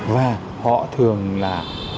và họ thường là